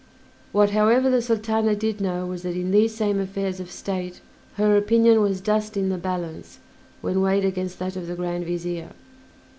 What, however, the Sultana did know was that in these same affairs of State her opinion was dust in the balance when weighed against that of the Grand Vizier.